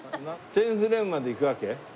１０フレームまでいくわけ？